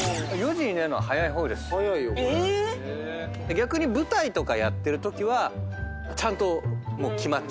逆に舞台とかやってるときはちゃんと決まっちゃいます。